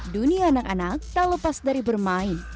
dunia anak anak tak lepas dari bermain